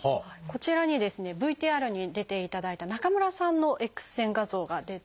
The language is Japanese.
こちらにＶＴＲに出ていただいた中村さんのＸ線画像が出ています。